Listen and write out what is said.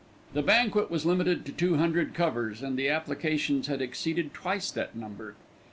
The banquet was limited to two hundred covers, and the applications had exceeded twice that number.